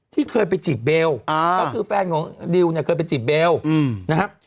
ที่เคยไปจีบเบลก็คือแฟนของดิวเนี่ยเคยไปจีบเบลนะครับ